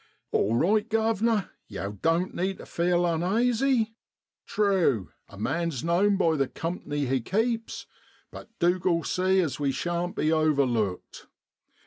1 All right, guv'ner, yow doan't need tu feel unaisy. Trew ! a man's known by the comp'ny he keeps; butDuke'll see as we shan't be overlooked.